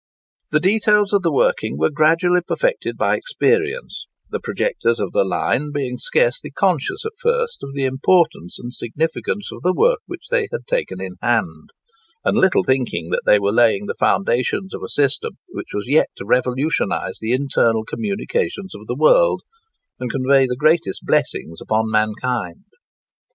The details of the working were gradually perfected by experience, the projectors of the line being scarcely conscious at first of the importance and significance of the work which they had taken in hand, and little thinking that they were laying the foundations of a system which was yet to revolutionise the internal communications of the world, and confer the greatest blessings on mankind.